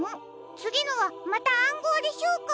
つぎのはまたあんごうでしょうか？